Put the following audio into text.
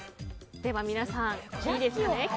では皆さん、いいですか？